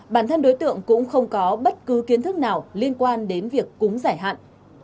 bản thân đối tượng cũng không có bất cứ kiến thức nào liên quan đến việc cúng giải hạn